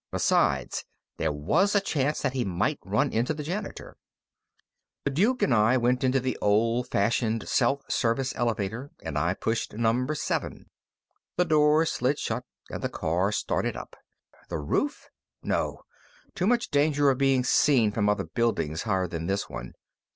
Besides, there was a chance that he might run into the janitor. The Duke and I went into the old fashioned self service elevator, and I pushed number seven. The doors slid shut, and the car started up. The roof? No. Too much danger of being seen from other buildings higher than this one.